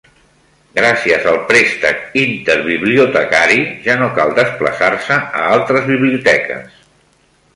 Gràcies al préstec interbibliotecari, ja no cal desplaçar-se a altres biblioteques.